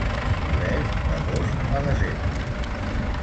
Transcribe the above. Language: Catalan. Floreix d'agost a desembre.